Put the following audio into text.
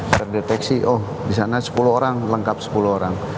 terdeteksi oh di sana sepuluh orang lengkap sepuluh orang